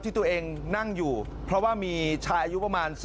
ที่ตัวเองนั่งอยู่เพราะว่ามีชายอายุประมาณ